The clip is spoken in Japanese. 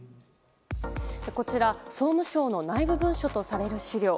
こちら総務省の内部文書とされる資料。